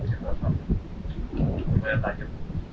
cukup banyak tajam